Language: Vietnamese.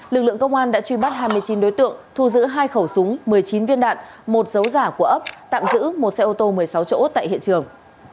lực lượng công an đã truy bắt hai mươi chín đối tượng thu giữ hai khẩu súng một mươi chín viên đạn một dấu giả của ấp tạm giữ một xe ô tô một mươi sáu chỗ tại hiện trường